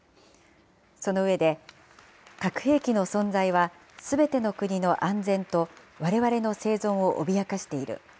その上で、核兵器の存在は、すべての国の安全とわれわれの生存を脅かしている。